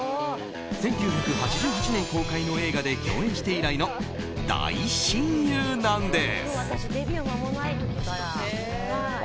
１９８８年公開の映画で共演して以来の大親友なんです。